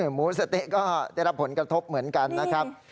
หมูสะเต๊ะก็ได้รับผลกระทบเหมือนกันนะครับ